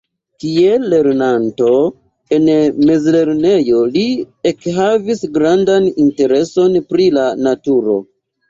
Kiel lernanto en mezlernejo li ekhavis grandan intereson pri la naturo.